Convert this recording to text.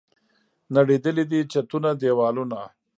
نړېدلي دي چتونه، دیوالونه